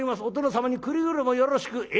お殿様にくれぐれもよろしく。